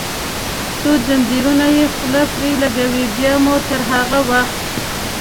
څو زنځیرونه یې خوله پرې ولګوي، بیا مو تر هغه وخت.